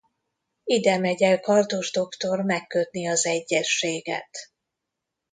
Ide megy el Kardos doktor megkötni az egyezséget.